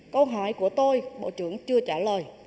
câu hỏi của tôi bộ trưởng chưa trả lời